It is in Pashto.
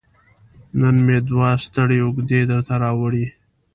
نن مې دوه ستړې اوږې درته راوړي